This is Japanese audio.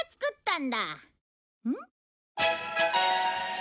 ん？